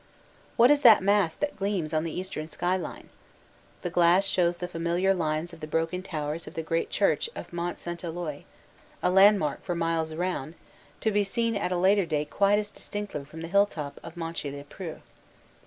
What is that mass that gleams on the eastern skyline? The glass shows the familiar lines of the broken towers of the great church of Mont St. Eloi, a landmark for miles around, to be seen at a later date quite as distinctly from the hilltop of Monchy le Preux.